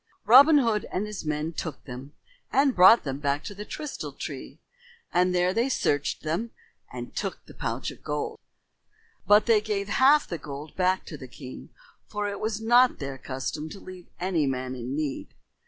And Robin Hood and his men took them and brought them to the Trystal Tree, and there they searched them and took the pouch of gold. But they gave half the gold back to the king, for it was not their custom to leave any man in need.